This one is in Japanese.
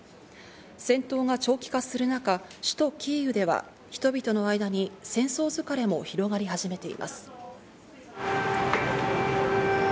戦闘が長期化する中、首都キーウでは人々の間に戦争疲れも広がり始めています。